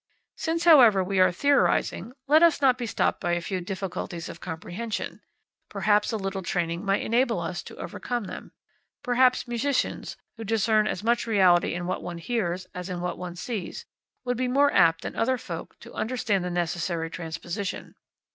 Since, however, we are theorising, let us not be stopped by a few difficulties of comprehension. Perhaps a little training might enable us to overcome them. Perhaps musicians, who discern as much reality in what one hears as in what one sees, would be more apt than other folk to understand the necessary transposition.